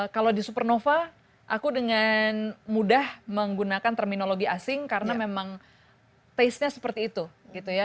kalau di supernova aku dengan mudah menggunakan terminologi asing karena memang taste nya seperti itu gitu ya